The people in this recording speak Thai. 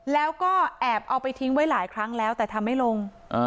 แล้วก็แอบเอาไปทิ้งไว้หลายครั้งแล้วแต่ทำไม่ลง